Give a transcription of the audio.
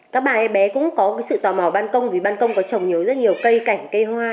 các bà em bé cũng có sự tò mò ban công vì ban công có trồng nhiều rất nhiều cây cảnh cây hoa